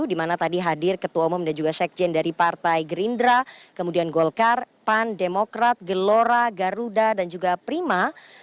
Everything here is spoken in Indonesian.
di mana tadi hadir ketua umum dan juga sekjen dari partai gerindra kemudian golkar pan demokrat gelora garuda dan juga prima